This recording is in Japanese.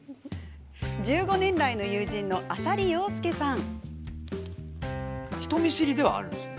１５年来の友人の浅利陽介さん。